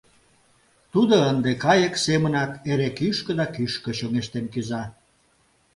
Тудо ынде кайык семынак эре кӱшкӧ да кӱшкӧ чоҥештен кӱза.